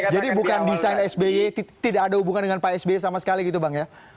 jadi bukan desain sbe tidak ada hubungan dengan pak sbe sama sekali gitu bang ya